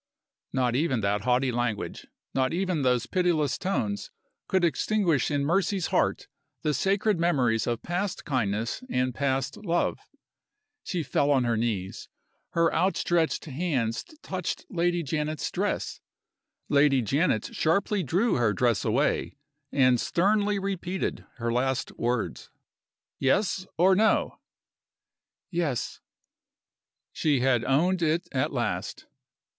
Not even that haughty language, not even those pitiless tones, could extinguish in Mercy's heart the sacred memories of past kindness and past love. She fell on her knees her outstretched hands touched Lady Janet's dress. Lady Janet sharply drew her dress away, and sternly repeated her last words. "Yes? or No?" "Yes." She had owned it at last!